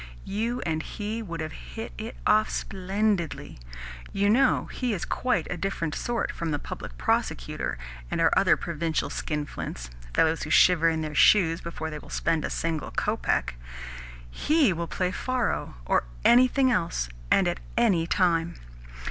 You and he would have hit it off splendidly. You know, he is quite a different sort from the Public Prosecutor and our other provincial skinflints fellows who shiver in their shoes before they will spend a single kopeck. HE will play faro, or anything else, and at any time.